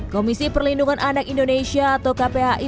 komisi perlindungan anak indonesia atau kpai